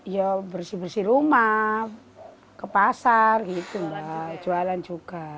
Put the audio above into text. ya bersih bersih rumah ke pasar gitu jualan juga